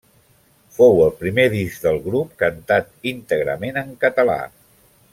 Fou el primer disc del grup cantat íntegrament en català.